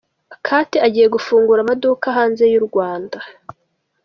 Kate agiye gufungura amaduka hanze y’u Rwanda.